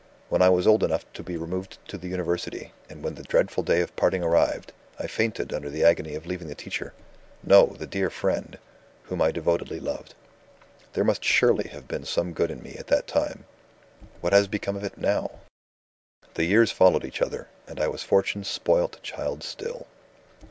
When I was old enough to be removed to the University, and when the dreadful day of parting arrived, I fainted under the agony of leaving the teacher no! the dear friend whom I devotedly loved. There must surely have been some good in me at that time. What has become of it now? "The years followed each other and I was Fortune's spoilt child still.